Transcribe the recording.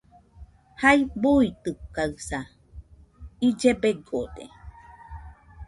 Jai buitɨkaɨsa , ille begode.